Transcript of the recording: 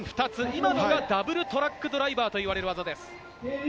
今のがダブルトラックドライバーと呼ばれる技です。